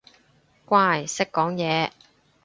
乖，識講嘢